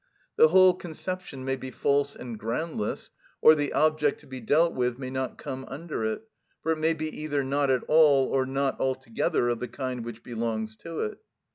The whole conception may be false and groundless, or the object to be dealt with may not come under it, for it may be either not at all or not altogether of the kind which belongs to it.